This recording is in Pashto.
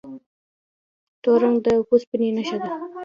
تور رنګ د اوسپنې نښه ده.